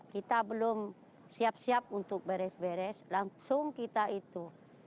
kita belum siap siap untuk beres beres langsung kita itu